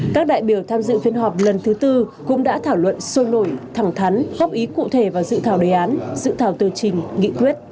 các đại biểu tham dự phiên họp lần thứ tư cũng đã thảo luận sôi nổi thẳng thắn góp ý cụ thể vào dự thảo đề án dự thảo tờ trình nghị quyết